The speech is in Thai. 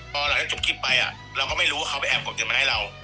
พอหลังจากจบคลิปไปเราก็ไม่รู้ว่าเขาไปแอบกดเงินมาให้เรา